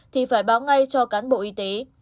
thì phải báo ngay cho cán bộ y tế